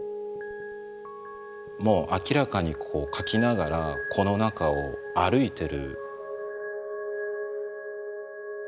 もう明らかにこう描きながらこの中を歩いてる。